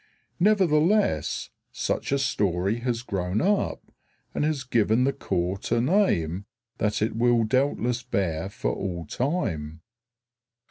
Nevertheless, such a story has grown up, and has given the court a name that it will doubtless bear for all time.